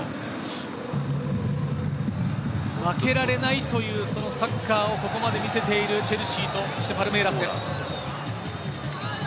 負けられないというサッカーをここまで見せているチェルシーとパルメイラスです。